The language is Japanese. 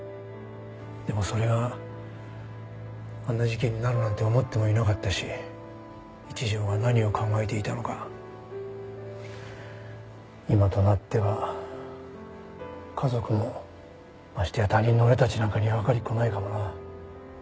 でもそれがあんな事件になるなんて思ってもいなかったし一条が何を考えていたのか今となっては家族もましてや他人の俺たちなんかにはわかりっこないかもな。